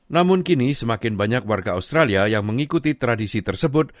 namun kini semakin banyak warga australia yang mengikuti tradisi tersebut